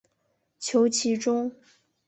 求其中